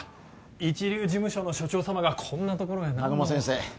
一流事務所の所長様がこんなところへ何の南雲先生